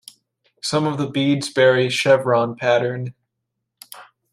Some of the beads bear a chevron pattern.